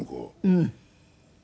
うん。